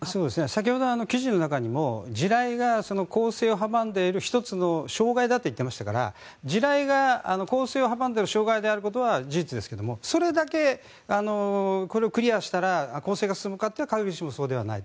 先ほど記事の中にも地雷が攻勢を阻んでいる１つの障害だと言っていましたから地雷が攻勢を阻んでいる障害であることは事実ですがそれだけこれをクリアしたら攻勢が進むかというと必ずしもそうではない。